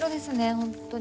本当に。